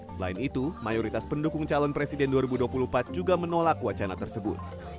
selain itu mayoritas pendukung calon presiden dua ribu dua puluh empat juga menolak wacana tersebut